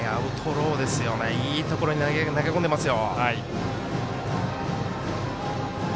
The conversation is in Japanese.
アウトローいいところに投げ込んでますよ。